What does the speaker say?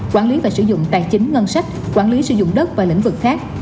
quản lý và sử dụng tài chính ngân sách quản lý sử dụng đất và lĩnh vực khác